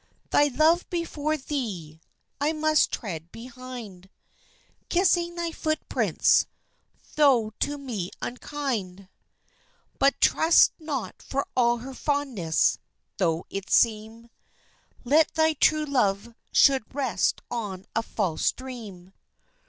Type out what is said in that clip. "Thy love before thee, I must tread behind, Kissing thy foot prints, though to me unkind; But trust not all her fondness, though it seem, Lest thy true love should rest on a false dream."